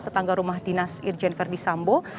tetangga rumah dinas irjen ferdisambo